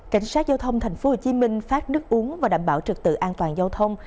cảnh sát giao thông tp hcm phát nước uống và đảm bảo trực tự an toàn giao thông